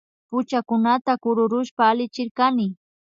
Puchakunata kururushpa allichirkani